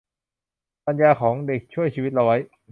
ปัญญาของเด็กช่วยชีวิตเราไว้